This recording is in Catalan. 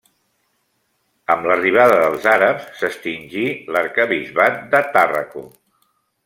Amb l'arribada dels àrabs, s'extingí l'arquebisbat de Tàrraco.